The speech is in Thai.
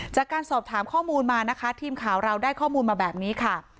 จากการสอบถามข้อมูลมานะคะทีมข่าวเราได้ข้อมูลมาแบบนี้ค่ะ